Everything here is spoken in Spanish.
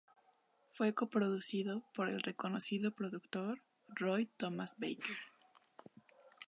Fue coproducido por el reconocido productor Roy Thomas Baker.